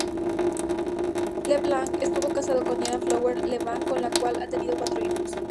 LeBlanc estuvo casado con Diana Fowler LeBlanc con la cual ha tenido cuatro hijos.